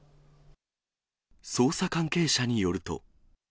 捜査関係者によると。